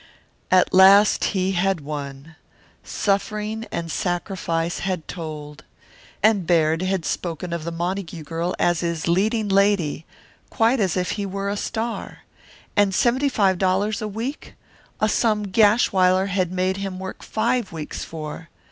At last he had won. Suffering and sacrifice had told. And Baird had spoken of the Montague girl as his leading lady quite as if he were a star. And seventy five dollars a week! A sum Gashwiler had made him work five weeks for.